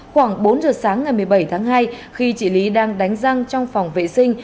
khoảng bốn giờ sáng ngày một mươi bảy tháng hai khi chị lý đang đánh răng trong phòng vệ sinh